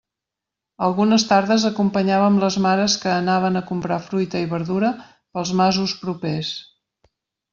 Algunes tardes acompanyàvem les mares que anaven a comprar fruita i verdura pels masos propers.